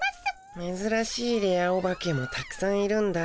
めずらしいレアお化けもたくさんいるんだ。